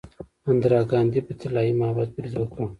اندرا ګاندي په طلایی معبد برید وکړ.